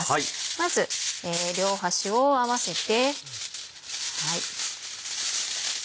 まず両端を合わせて。